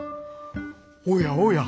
「おやおや。